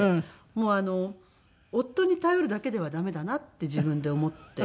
もう夫に頼るだけでは駄目だなって自分で思って。